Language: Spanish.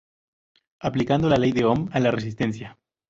Aplicando la ley de Ohm a la resistencia.